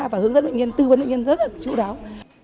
và hướng dẫn bệnh nhân tư vấn bệnh nhân rất là chú đáo